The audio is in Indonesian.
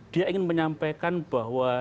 dia ingin menyampaikan bahwa